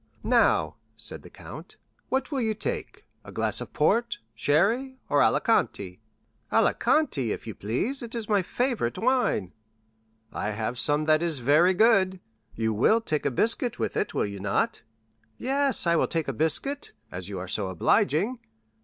"Now," said the count, "what will you take—a glass of sherry, port, or Alicante?" "Alicante, if you please; it is my favorite wine." "I have some that is very good. You will take a biscuit with it, will you not?" "Yes, I will take a biscuit, as you are so obliging."